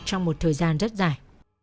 trong một thời gian rất dài